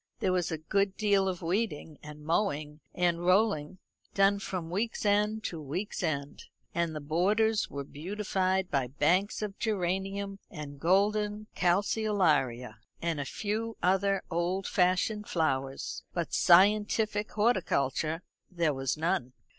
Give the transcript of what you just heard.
There was a good deal of weeding, and mowing, and rolling done from week's end to week's end; and the borders were beautified by banks of geranium and golden calceolaria, and a few other old fashioned flowers; but scientific horticulture there was none.